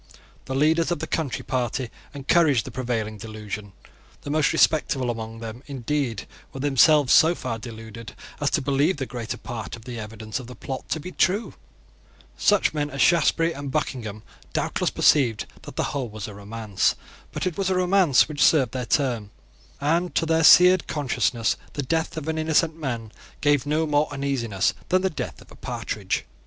The leaders of the Country Party encouraged the prevailing delusion. The most respectable among them, indeed, were themselves so far deluded as to believe the greater part of the evidence of the plot to be true. Such men as Shaftesbury and Buckingham doubtless perceived that the whole was a romance. But it was a romance which served their turn; and to their seared consciences the death of an innocent man gave no more uneasiness than the death of a partridge.